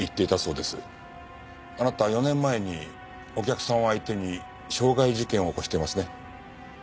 あなた４年前にお客さんを相手に傷害事件を起こしていますね。